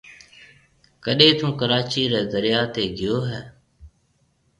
ڪڏي ٿُون ڪراچِي ريَ دريا تي گيو هيَ۔